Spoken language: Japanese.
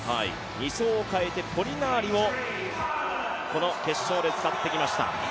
２走をかえてポリナーリをこの決勝で使ってきました。